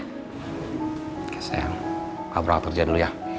oke sayang abrakat kerja dulu ya